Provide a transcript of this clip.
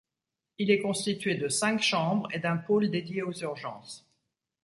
Il est constitué de cinq chambres et d’un pôle dédié aux urgences.